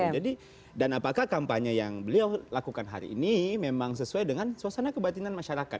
dan apakah kampanye yang beliau lakukan hari ini memang sesuai dengan suasana kebatinan masyarakat